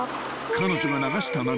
［彼女が流した涙